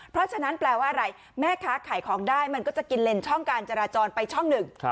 เพราะฉะนั้นแปลว่าอะไรแม่ค้าขายของได้มันก็จะกินเลนช่องการจราจรไปช่องหนึ่ง